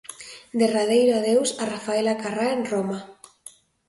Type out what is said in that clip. Derradeiro adeus a Rafaela Carrá en Roma.